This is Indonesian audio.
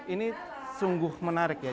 ini sungguh menarik ya